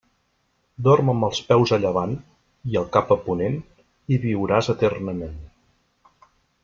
Dorm amb els peus a llevant i el cap a ponent i viuràs eternament.